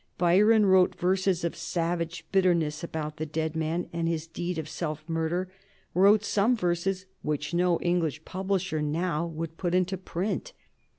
Byron wrote verses of savage bitterness about the dead man and his deed of self murder wrote some verses which no English publisher now would put into print.